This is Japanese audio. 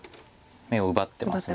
眼を奪ってます。